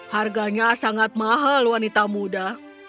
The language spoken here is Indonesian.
harganya sangat mahal wanita muda